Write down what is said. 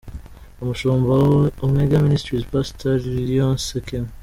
Umushumba wa Omega Ministries, Pastor Liliose K.